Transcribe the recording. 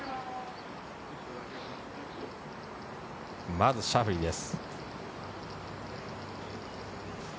まず、シャフリーです。